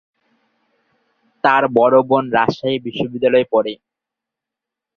তার বড় বোন রাজশাহী বিশ্বনিদ্যালয়ে পড়ে।